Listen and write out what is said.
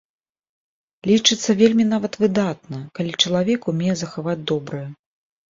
Лічыцца вельмі нават выдатна, калі чалавек умее захаваць добрае.